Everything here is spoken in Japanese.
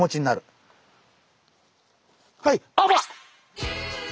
はい！